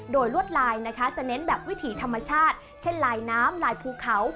โดยลวดลายนะคะจะเน้นแบบวิถีธรรมชาติเช่นลายน้ำลายภูเขา